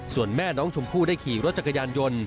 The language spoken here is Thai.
ส่วนแม่น้องชมพู่ได้ขี่รถจักรยานยนต์